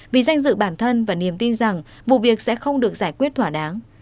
vì danh dự bản thân và niềm tin rằng vụ việc sẽ không được giải quyết thỏa đáng